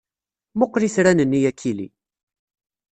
Mmuqqel itran-nni a Kelly!